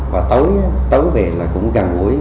và tối tối về là cũng gần ngủi